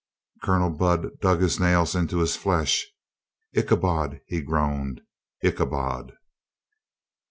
Colonel Budd dug his nails into his flesh. "Icha bod !" he groaned. "Ichabod